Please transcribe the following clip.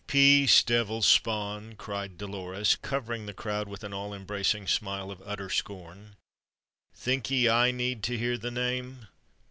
"Peace, Devilspawn!" cried Dolores, covering the crowd with an all embracing smile of utter scorn. "Think ye I need to hear the name?